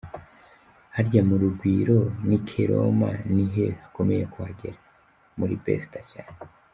Harya mu Rugwiro n’ikke Roma ni he hakomeye kuhagera? Muri besta cyane!.